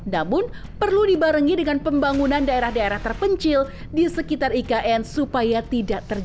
namun perlu dibarengi dengan pembangunan daerah daerah terpencil di sekitar ikn supaya tidak terjadi